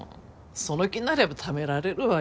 その気になればためられるわよ。